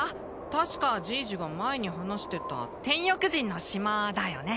確かじいじが前に話してた天翼人の島だよね？